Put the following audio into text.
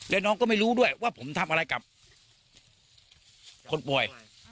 แล้วน้องก็ไม่รู้ด้วยว่าผมทำอะไรกับคนป่วย